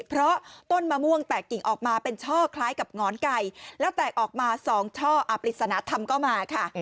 เพราะต้นมะม่วงแตกกิ่งออกมาเป็นช่อคล้ายกับหงอนไก่แล้วแตกออกมา๒ช่ออาปริศนธรรมก็มาค่ะ